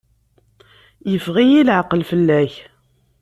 Yeffeɣ-iyi leɛqel fell-ak.